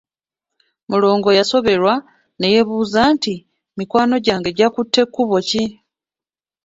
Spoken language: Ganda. Mulongo yasoberwa ne yeebuuza nti, mikwano gyange gyakutte kkubo ki?